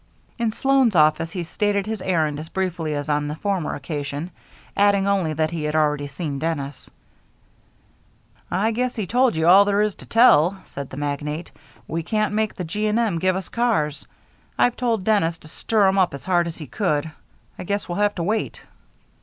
In Sloan's office he stated his errand as briefly as on the former occasion, adding only that he had already seen Dennis. "I guess he told you all there is to tell," said the magnate. "We can't make the G. & M. give us cars. I've told Dennis to stir 'em up as hard as he could. I guess we'll have to wait."